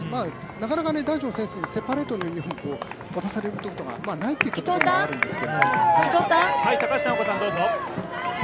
なかなか男子の選手にセパレートのユニフォームが渡されないと行ったこところもあるんですが。